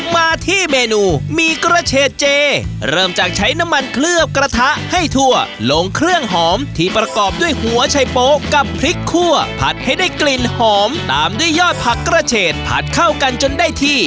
มาที่เมนูหมี่กระเชษเจเริ่มจากใช้น้ำมันเคลือบกระทะให้ทั่วลงเครื่องหอมที่ประกอบด้วยหัวชัยโป๊ะกับพริกคั่วผัดให้ได้กลิ่นหอมตามด้วยยอดผักกระเฉดผัดเข้ากันจนได้ที่